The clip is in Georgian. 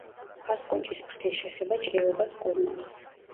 ფასკუნჯის ფრთის შეხება ჭრილობას კურნავს.